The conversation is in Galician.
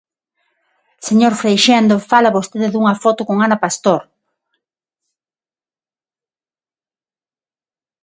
Señor Freixendo, fala vostede dunha foto con Ana Pastor.